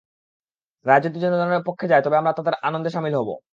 রায় যদি জনগণের পক্ষে যায়, তবে আমরা তাদের আনন্দে শামিল হব।